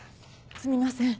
すみません。